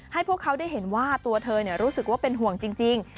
พวกเขาได้เห็นว่าตัวเธอรู้สึกว่าเป็นห่วงจริง